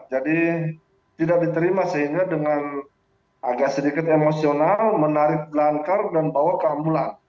tidak diterima sehingga dengan agak sedikit emosional menarik belangkar dan bawa ke ambulan